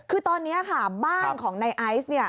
คือตอนนี้ค่ะบ้านของในไอซ์เนี่ย